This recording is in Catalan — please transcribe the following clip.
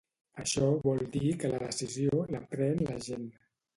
Això vol dir que la decisió, la pren la gent.